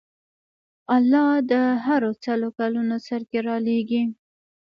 الله د هرو سلو کلونو سر کې رالېږي.